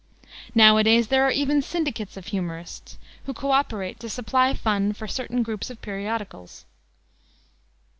Nowadays there are even syndicates of humorists, who co operate to supply fun for certain groups of periodicals.